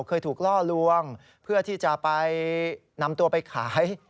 เคยถูกล่อลวงเพื่อที่จะไปนำตัวไปขาย